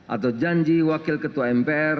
atau janji wakil ketua mpr